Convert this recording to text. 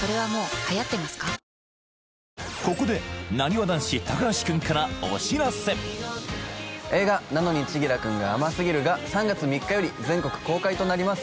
コリャここで映画「なのに、千輝くんが甘すぎる。」が３月３日より全国公開となります